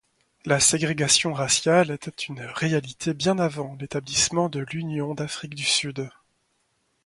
La ségrégation raciale était une réalité bien avant l'établissement de l'Union d'Afrique du Sud.